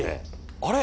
「あれ？